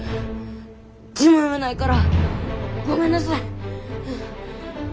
字も読めないからごめんなさい。